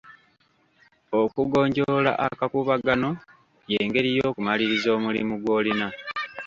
Okugonjoola akakuubagano y'engeri y'okumaliriza omulimu gw'olina.